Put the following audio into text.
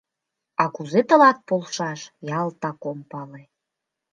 А кузе тылат полшаш — ялтак ом пале.